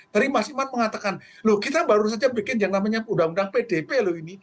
tadi mas iman mengatakan loh kita baru saja bikin yang namanya undang undang pdp loh ini